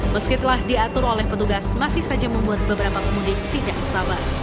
meskipun telah diatur oleh petugas masih saja membuat beberapa pemudik tidak sabar